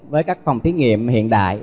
với các phòng thí nghiệm hiện đại